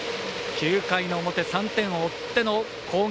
９回の表、３点を追っての攻撃。